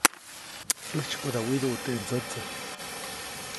ʼÄjtsykoda widuʼu teʼ ndsätsä.